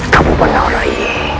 kamu benar lagi